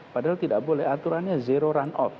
padahal tidak boleh aturannya zero run off